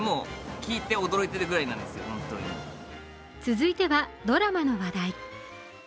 続いてはドラマの話題。